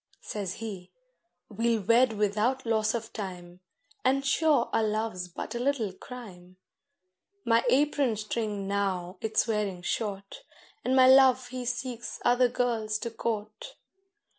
Says he, 'We'll wed without loss of time, And sure our love's but a little crime;' My apron string now it's wearing short, And my Love he seeks other girls to court.